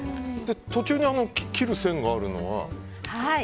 途中で切る線があるのは？